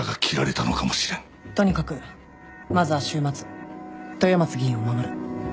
とにかくまずは週末豊松議員を守る。